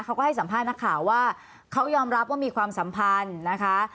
เขาก็ให้สัมภาษณ์นักข่าวว่าเขายอมรับว่ามีความสัมพันธ์นะคะ